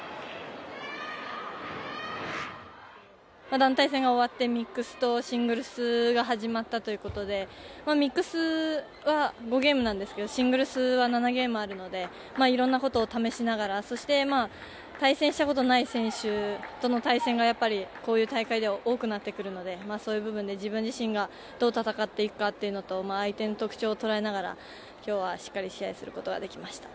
団体戦が終わってミックスとシングルスが始まったということでミックスは５ゲームなんですけどシングルスは７ゲームあるのでいろんなことを試しながらそして、対戦したことのない選手との対戦がやっぱり、こういう大会では多くなってくるのでそういう部分で自分自身がどう戦っていくかっていうのと相手の特徴を捉えながら今日はしっかり試合することができました。